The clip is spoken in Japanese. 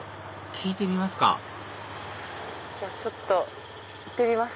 聞いてみますかじゃあちょっと行ってみます。